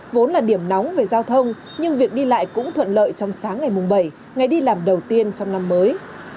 vốn là điểm nóng về giao thông nhưng việc đi lại cũng thuận lợi trong sáng ngày mùng bảy ngày đi làm đầu tiên trong năm mới